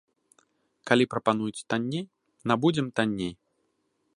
Калі прапануюць танней, набудзем танней.